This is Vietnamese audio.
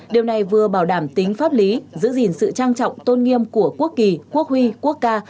điều này vừa bảo đảm tính pháp lý giữ gìn sự trang trọng tôn nghiêm của quốc kỳ quốc huy quốc ca